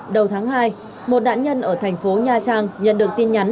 đầu tháng hai một nạn nhân ở thành phố nha trang nhận được tin nhắn